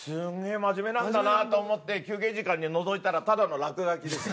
真面目なんだなと思って休憩時間にのぞいたらただの落書きでした。